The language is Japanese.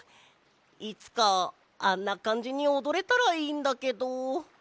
いつかあんなかんじにおどれたらいいんだけど。